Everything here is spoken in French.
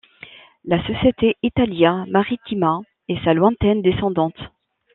La société Italia Marittima est sa lointaine descendante.